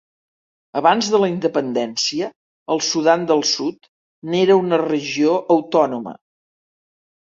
Abans de la independència, el Sudan del Sud n'era una regió autònoma.